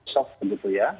sok begitu ya